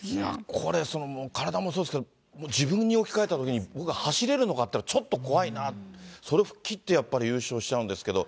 これ、体もそうですけど自分に置き換えたときに、僕は走れるのかって、ちょっと怖いな、それ、吹っ切ってやっぱり優勝しちゃうんですけど。